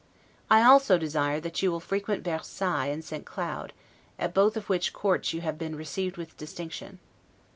I also desire that you will frequent Versailles and St. Cloud, at both of which courts you have been received with distinction.